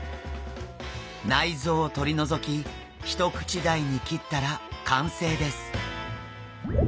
内臓を取り除き一口大に切ったら完成です。